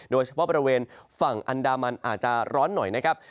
โดยเฉพาะบริเวณฝั่งอันดามันอาจจะร้อนหน่อยนะครับ